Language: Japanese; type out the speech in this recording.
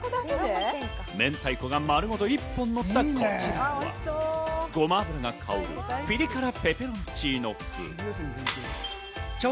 明太子が丸ごと１本乗ったこちらは、ごま油が香るピリ辛ペペロンチーノ風。